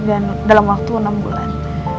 dan dalam waktu enam bulan